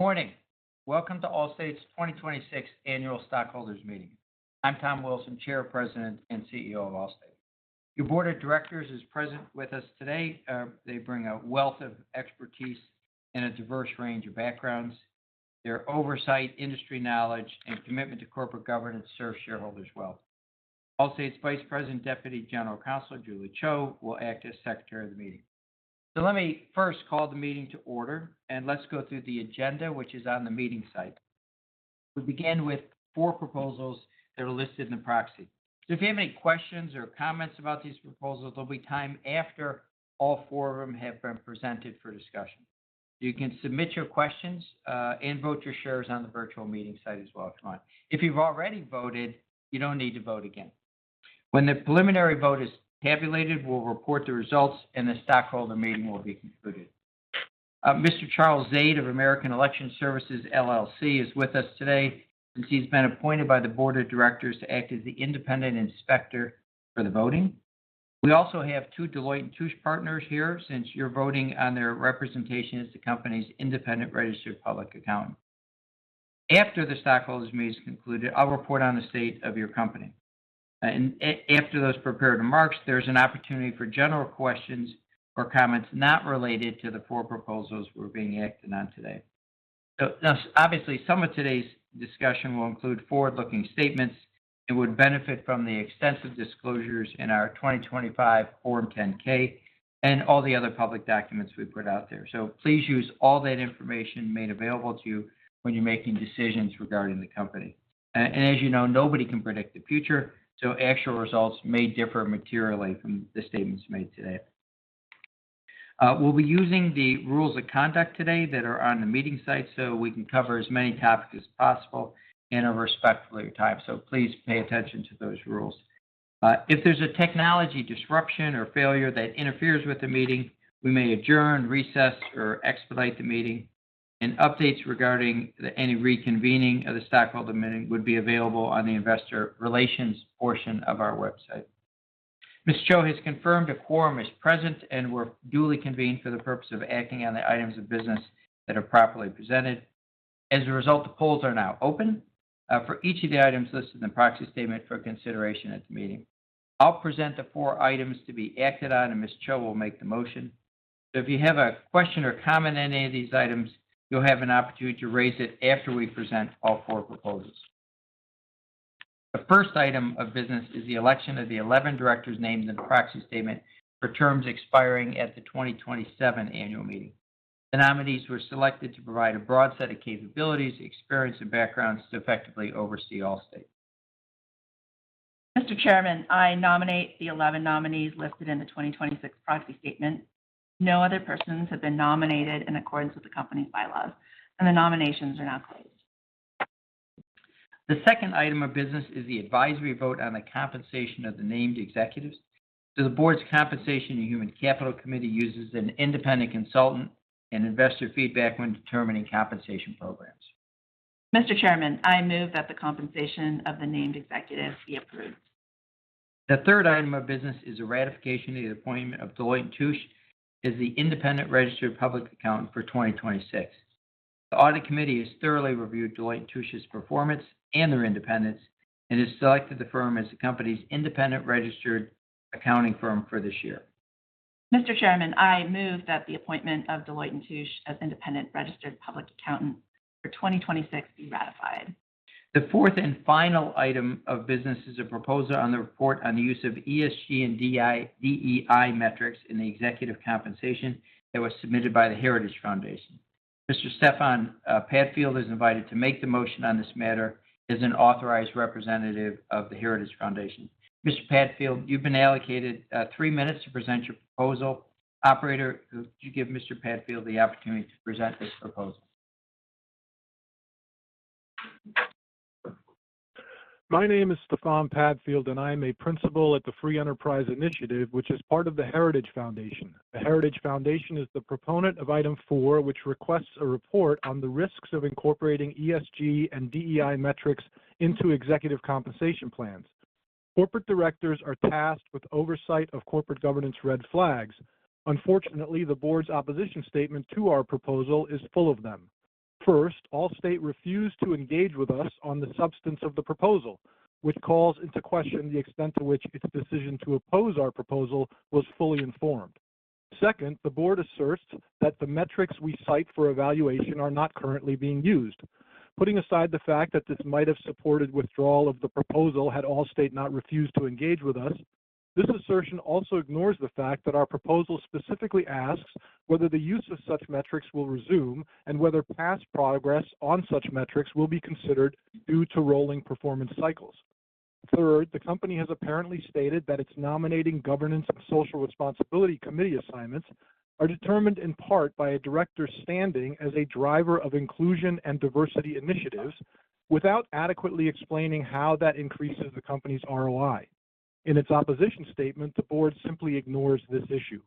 Morning. Welcome to Allstate's 2026 Annual Shareholders' Meeting. I'm Tom Wilson, Chair, President, and CEO of Allstate. Your Board of Directors is present with us today. They bring a wealth of expertise and a diverse range of backgrounds. Their oversight, industry knowledge, and commitment to corporate governance serve shareholders well. Allstate's Vice President Deputy General Counsel, Julie Cho, will act as Secretary of the meeting. Let me first call the meeting to order, and let's go through the agenda, which is on the meeting site. We begin with four proposals that are listed in the proxy. If you have any questions or comments about these proposals, there'll be time after all four of them have been presented for discussion. You can submit your questions and vote your shares on the virtual meeting site as well if you want. If you've already voted, you don't need to vote again. When the preliminary vote is tabulated, we'll report the results, and the stockholder meeting will be concluded. Mr. Charles Zade of American Election Services, LLC is with us today since he's been appointed by the Board of Directors to act as the independent inspector for the voting. We also have two Deloitte & Touche partners here since you're voting on their representation as the company's independent registered public accountant. After the stockholders' meeting is concluded, I'll report on the state of your company. After those prepared remarks, there's an opportunity for general questions or comments not related to the four proposals we're being acted on today. Obviously, some of today's discussion will include forward-looking statements that would benefit from the extensive disclosures in our 2025 Form 10-K and all the other public documents we put out there. Please use all that information made available to you when you're making decisions regarding the company. As you know, nobody can predict the future, actual results may differ materially from the statements made today. We'll be using the rules of conduct today that are on the meeting site we can cover as many topics as possible and are respectful of your time, please pay attention to those rules. If there's a technology disruption or failure that interferes with the meeting, we may adjourn, recess, or expedite the meeting, and updates regarding any reconvening of the stockholders' meeting would be available on the investor relations portion of our website. Ms. Cho has confirmed a quorum is present, we're duly convened for the purpose of acting on the items of business that are properly presented. The polls are now open for each of the items listed in the proxy statement for consideration at the meeting. I'll present the four items to be acted on, and Ms. Cho will make the motion. If you have a question or comment on any of these items, you'll have an opportunity to raise it after we present all four proposals. The first item of business is the election of the 11 directors' names in the proxy statement for terms expiring at the 2027 annual meeting. The nominees were selected to provide a broad set of capabilities, experience, and backgrounds to effectively oversee Allstate. Mr. Chairman, I nominate the 11 nominees listed in the 2026 proxy statement. No other persons have been nominated in accordance with the company bylaws. The nominations are now closed. The second item of business is the advisory vote on the compensation of the named executives. The board's Compensation and Human Capital Committee uses an independent consultant and investor feedback when determining compensation programs. Mr. Chairman, I move that the compensation of the named executives be approved. The third item of business is the ratification of the appointment of Deloitte & Touche as the independent registered public accountant for 2026. The Audit Committee has thoroughly reviewed Deloitte & Touche's performance and their independence and has selected the firm as the company's independent registered accounting firm for this year. Mr. Chairman, I move that the appointment of Deloitte & Touche as independent registered public accountant for 2026 be ratified. The fourth and final item of business is a proposal on the report on the use of ESG and DEI metrics in the executive compensation that was submitted by The Heritage Foundation. Mr. Stefan Padfield is invited to make the motion on this matter as an authorized representative of The Heritage Foundation. Mr. Padfield, you've been allocated three minutes to present your proposal. Operator, could you give Mr. Padfield the opportunity to present this proposal? My name is Stefan Padfield, and I'm a principal at the Free Enterprise Initiative, which is part of The Heritage Foundation. The Heritage Foundation is the proponent of Item 4, which requests a report on the risks of incorporating ESG and DEI metrics into executive compensation plans. Corporate directors are tasked with oversight of corporate governance red flags. Unfortunately, the board's opposition statement to our proposal is full of them. First, Allstate refused to engage with us on the substance of the proposal, which calls into question the extent to which its decision to oppose our proposal was fully informed. Second, the board asserts that the metrics we cite for evaluation are not currently being used. Putting aside the fact that this might have supported withdrawal of the proposal had Allstate not refused to engage with us, this assertion also ignores the fact that our proposal specifically asks whether the use of such metrics will resume and whether past progress on such metrics will be considered due to rolling performance cycles. Third, the company has apparently stated that its Nominating, Governance and Social Responsibility Committee assignments are determined in part by a director's standing as a driver of inclusion and diversity initiatives without adequately explaining how that increases the company's ROI. In its opposition statement, the board simply ignores this issue.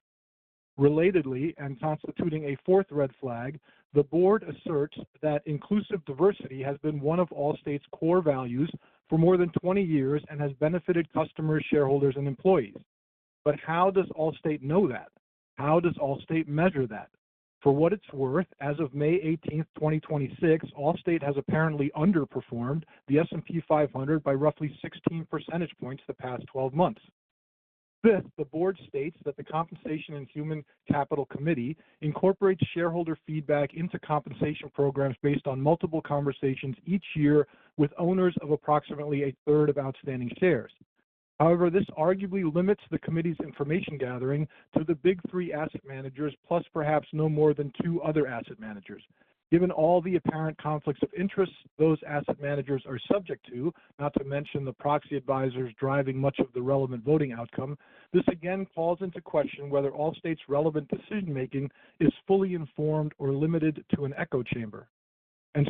Relatedly, and constituting a fourth red flag, the board asserts that inclusive diversity has been one of Allstate's core values for more than 20 years and has benefited customers, shareholders, and employees. How does Allstate know that? How does Allstate measure that? For what it's worth, as of May 18th, 2026, Allstate has apparently underperformed the S&P 500 by roughly 16 percentage points the past 12 months. Fifth, the board states that the Compensation and Human Capital Committee incorporates shareholder feedback into compensation programs based on multiple conversations each year with owners of approximately a third of outstanding shares. However, this arguably limits the committee's information gathering to the big three asset managers, plus perhaps no more than two other asset managers. Given all the apparent conflicts of interest those asset managers are subject to, not to mention the proxy advisors driving much of the relevant voting outcome, this again calls into question whether Allstate's relevant decision-making is fully informed or limited to an echo chamber.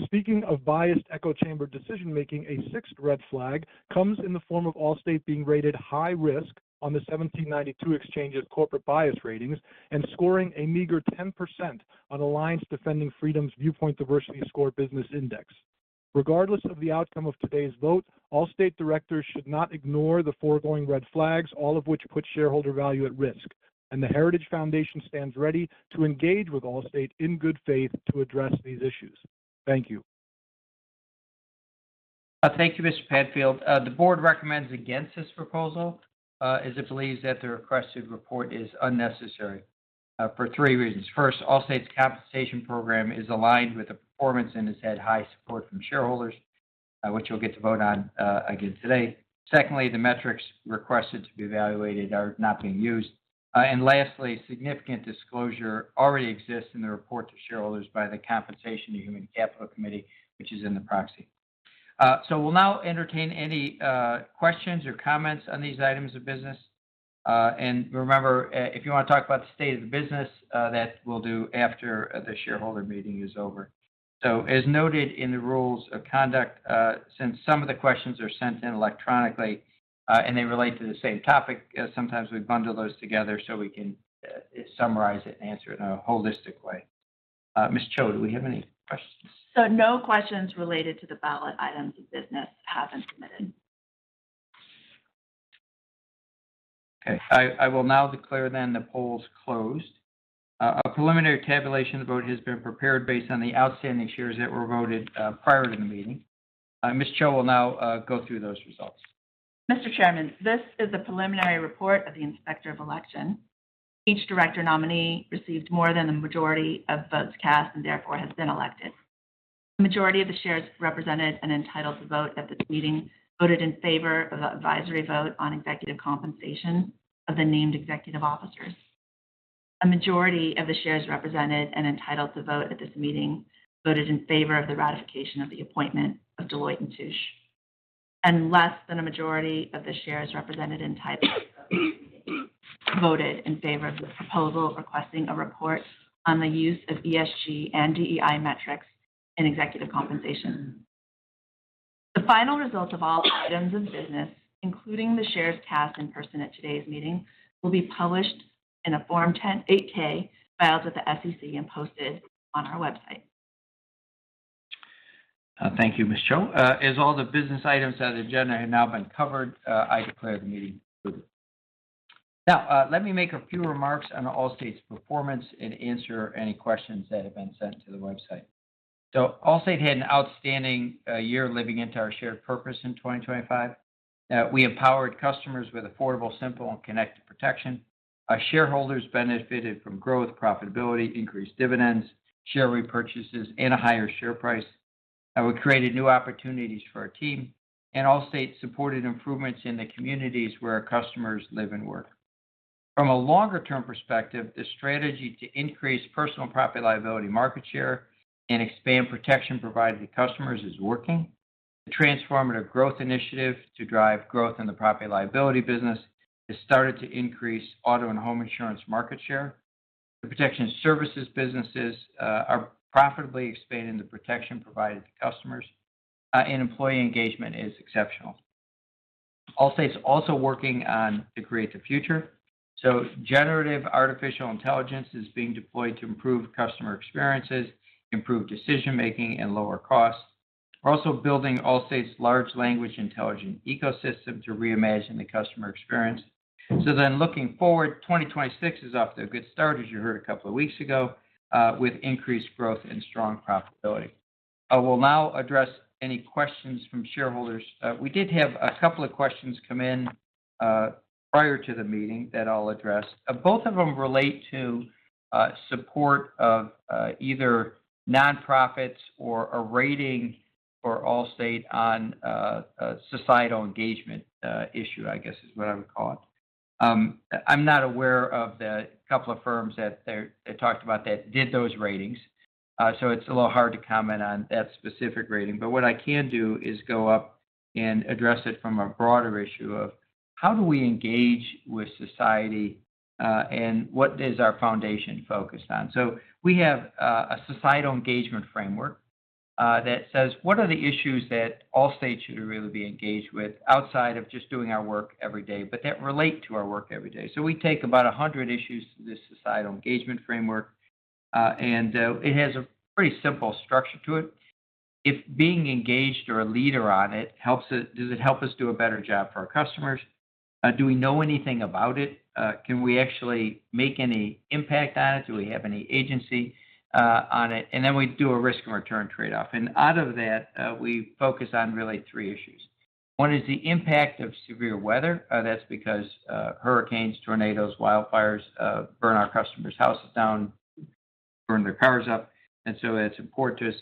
Speaking of biased echo chamber decision-making, a sixth red flag comes in the form of Allstate being rated high risk on the 1792 Exchange's corporate bias ratings and scoring a meager 10% on Alliance Defending Freedom's Viewpoint Diversity Score Business Index. Regardless of the outcome of today's vote, Allstate directors should not ignore the foregoing red flags, all of which put shareholder value at risk, and The Heritage Foundation stands ready to engage with Allstate in good faith to address these issues. Thank you. Thank you, Mr. Padfield. The board recommends against this proposal, as it believes that the requested report is unnecessary for three reasons. First, Allstate's compensation program is aligned with the performance and has had high support from shareholders, which you'll get to vote on again today. Secondly, the metrics requested to be evaluated are not being used. Lastly, significant disclosure already exists in the report to shareholders by the Compensation and Human Capital Committee, which is in the proxy. We'll now entertain any questions or comments on these items of business. Remember, if you want to talk about the state of the business, that we'll do after the shareholder meeting is over. As noted in the rules of conduct, since some of the questions are sent in electronically, and they relate to the same topic, sometimes we bundle those together so we can summarize it and answer it in a holistic way. Ms. Cho, do we have any questions? No questions related to the ballot items of business have been submitted. Okay. I will now declare then the polls closed. A preliminary tabulation of the vote has been prepared based on the outstanding shares that were voted prior to the meeting. Ms. Cho will now go through those results. Mr. Chairman, this is a preliminary report of the Inspector of Election. Each director nominee received more than the majority of votes cast and therefore has been elected. The majority of the shares represented and entitled to vote at this meeting voted in favor of the advisory vote on executive compensation of the named executive officers. A majority of the shares represented and entitled to vote at this meeting voted in favor of the ratification of the appointment of Deloitte & Touche. Less than a majority of the shares represented entitled to vote at the meeting voted in favor of the proposal requesting a report on the use of ESG and DEI metrics in executive compensation. The final results of all items of business, including the shares cast in person at today's meeting, will be published in a Form 8-K filed with the SEC and posted on our website. Thank you, Ms. Cho. As all the business items on the agenda have now been covered, I declare the meeting concluded. Let me make a few remarks on Allstate's performance and answer any questions that have been sent to the website. Allstate had an outstanding year living into our shared purpose in 2025. We empowered customers with affordable, simple, and connected protection. Our shareholders benefited from growth, profitability, increased dividends, share repurchases, and a higher share price. We created new opportunities for our team. Allstate supported improvements in the communities where our customers live and work. From a longer-term perspective, the strategy to increase personal property liability market share and expand protection provided to customers is working. The Transformative Growth initiative to drive growth in the property liability business has started to increase auto and home insurance market share. The protection services businesses are profitably expanding the protection provided to customers, and employee engagement is exceptional. Allstate's also working on the create the future. Generative artificial intelligence is being deployed to improve customer experiences, improve decision-making, and lower costs. We're also building Allstate's Large Language Intelligent Ecosystem to reimagine the customer experience. Looking forward, 2026 is off to a good start, as you heard a couple of weeks ago, with increased growth and strong profitability. I will now address any questions from shareholders. We did have a couple of questions come in prior to the meeting that I'll address. Both of them relate to support of either nonprofits or a rating for Allstate on a societal engagement issue, I guess is what I would call it. I'm not aware of the couple of firms that they talked about that did those ratings. It's a little hard to comment on that specific rating. What I can do is go up and address it from a broader issue of how do we engage with society, and what is our foundation focused on? We have a societal engagement framework that says, what are the issues that Allstate should really be engaged with outside of just doing our work every day, but that relate to our work every day? We take about 100 issues to this societal engagement framework, and it has a pretty simple structure to it. If being engaged or a leader on it, does it help us do a better job for our customers? Do we know anything about it? Can we actually make any impact on it? Do we have any agency on it? We do a risk and return trade-off. Out of that, we focus on really three issues. One is the impact of severe weather. That's because hurricanes, tornadoes, wildfires burn our customers' houses down, burn their cars up, and so that's important to us.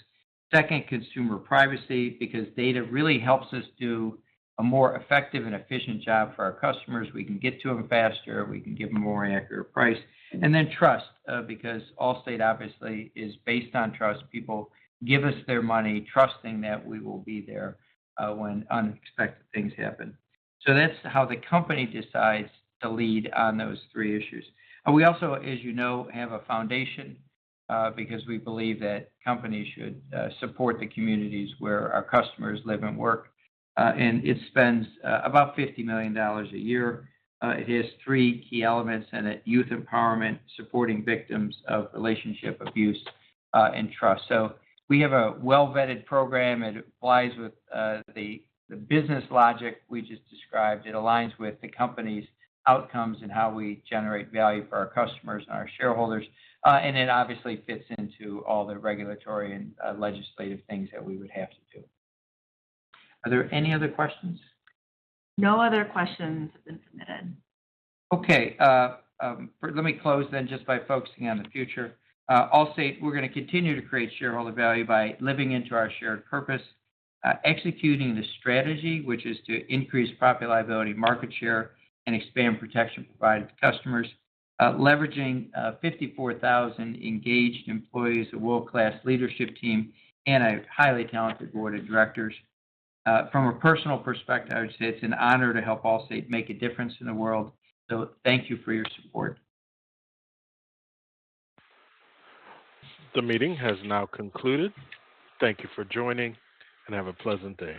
Second, consumer privacy, because data really helps us do a more effective and efficient job for our customers. We can get to them faster, we can give them a more accurate price. Then trust, because Allstate obviously is based on trust. People give us their money trusting that we will be there when unexpected things happen. That's how the company decides to lead on those three issues. We also, as you know, have a foundation, because we believe that companies should support the communities where our customers live and work. It spends about $50 million a year. It has three key elements in it, youth empowerment, supporting victims of relationship abuse, and trust. We have a well-vetted program. It applies with the business logic we just described. It aligns with the company's outcomes and how we generate value for our customers and our shareholders. It obviously fits into all the regulatory and legislative things that we would have to do. Are there any other questions? No other questions in the queue. Okay. Let me close just by focusing on the future. Allstate, we're going to continue to create shareholder value by living into our shared purpose, executing the strategy, which is to increase profitability, market share, and expand protection provided to customers, leveraging 54,000 engaged employees, a world-class leadership team, and a highly talented board of directors. From a personal perspective, I would say it's an honor to help Allstate make a difference in the world. Thank you for your support. The meeting has now concluded. Thank you for joining, and have a pleasant day.